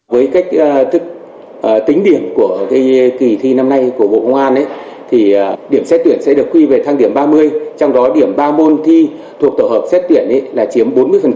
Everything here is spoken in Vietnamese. với cách thức tính điểm của kỳ thi năm nay của bộ công an thì điểm xét tuyển sẽ được quy về thang điểm ba mươi trong đó điểm ba môn thi thuộc tổ hợp xét tuyển là chiếm bốn mươi